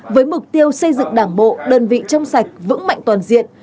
với mục tiêu xây dựng đảng bộ đơn vị trong sạch vững mạnh toàn diện